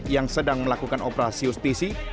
yang sedang melakukan operasi justisi